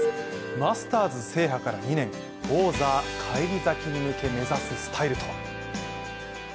マスターズ制覇から２年王座返り咲きに向けて目指すスタイルとは？